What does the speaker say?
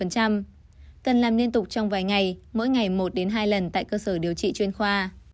cần làm liên tục trong vài ngày mỗi ngày một đến hai lần tại cơ sở điều trị chuyên khoa